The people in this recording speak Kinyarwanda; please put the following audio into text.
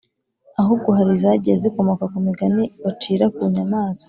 ahubwo hari izagiye zikomoka ku migani bacira ku nyamaswa